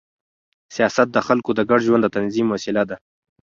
سیاست د خلکو د ګډ ژوند د تنظیم وسیله ده